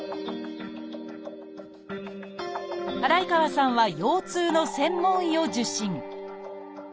祓川さんは腰痛の専門医を受診